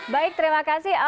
baik terima kasih